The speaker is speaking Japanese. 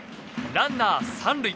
ランナー３塁。